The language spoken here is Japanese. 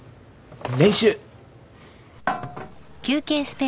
練習。